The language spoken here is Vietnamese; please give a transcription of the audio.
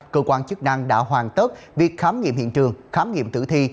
cơ quan chức năng đã hoàn tất việc khám nghiệm hiện trường khám nghiệm tử thi